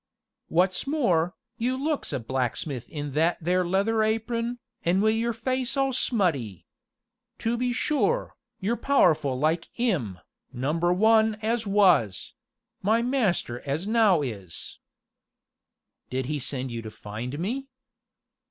"Wot's more, you looks a blacksmith in that there leather apron, an' wi' your face all smutty. To be sure, you're powerful like 'im Number One as was my master as now is " "Did he send you to find me?"